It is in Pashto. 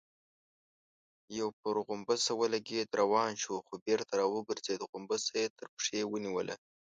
يو پر غومبسه ولګېد، روان شو، خو بېرته راوګرځېد، غومبسه يې تر پښې ونيوله.